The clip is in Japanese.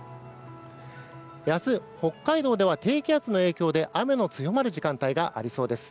明日、北海道では低気圧の影響で雨の強まる時間帯がありそうです。